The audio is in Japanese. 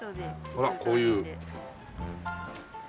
ほらこういう。